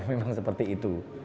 memang seperti itu